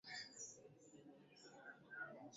basi wanapata mwafaka ama suluhu